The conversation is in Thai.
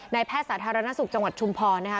แพทย์สาธารณสุขจังหวัดชุมพรนะคะ